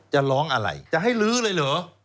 จะร้องอะไรจะให้ลื้อเลยเหรอ